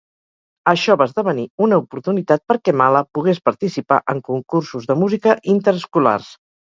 Això va esdevenir una oportunitat perquè Mala pugués participar en concursos de música interescolars.